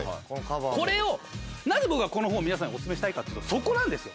これをなぜ僕はこの本を皆さんにお薦めしたかというとそこなんですよ。